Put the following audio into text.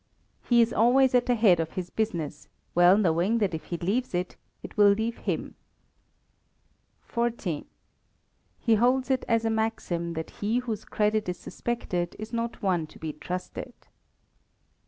He is always at the head of his business, well knowing that if he leaves it, it will leave him. xiv. He holds it as a maxim that he whose credit is suspected is not one to be trusted.